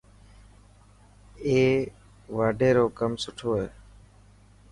ائي واڍي رو ڪم سٺو هي.